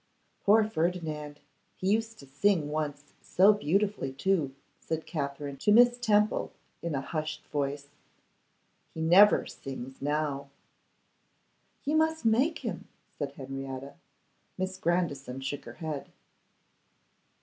'Poor Ferdinand! he used to sing once so beautifully, too!' said Katherine to Miss Temple, in a hushed voice. 'He never sings now.' 'You must make him,' said Henrietta. Miss Grandison shook her head.